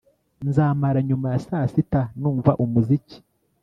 Nzamara nyuma ya saa sita numva umuziki